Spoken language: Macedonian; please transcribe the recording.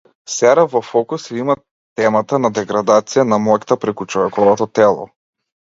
Сера во фокус ја има темата на деградација на моќта преку човековото тело.